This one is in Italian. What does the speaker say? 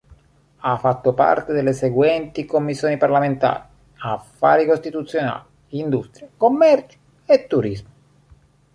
Ha fatto parte delle seguenti commissioni parlamentari: Affari costituzionali; Industria, commercio e turismo.